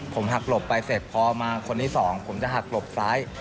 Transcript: ผมหักหลบไปเสร็จพอมาคนที่สองผมจะหักหลบซ้าย